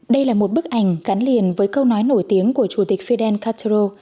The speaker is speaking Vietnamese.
đây là một bức ảnh gắn liền với câu nói nổi tiếng của chủ tịch fidel castro